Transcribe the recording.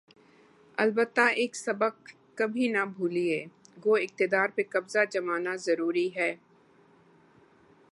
البتہ ایک سبق کبھی نہ بھولے‘ گو اقتدار پہ قبضہ جمانا ضروری ہے۔